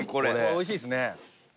美味しいですね。